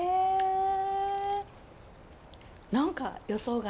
何か予想外。